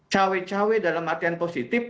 cawe cawe dalam artian positif